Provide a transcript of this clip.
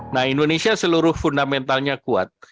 nah indonesia seluruh fundamentalnya kuat